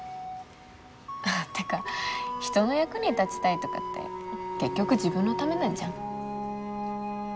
てか人の役に立ちたいとかって結局自分のためなんじゃん？